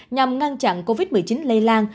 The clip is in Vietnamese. nhằm ngăn chặn covid một mươi chín lây lan